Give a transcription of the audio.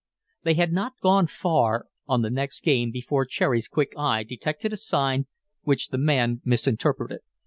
They had not gone far on the next game before Cherry's quick eye detected a sign which the man misinterpreted.